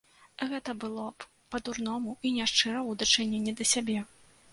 Гэта было б па-дурному і няшчыра ў дачыненні да сябе.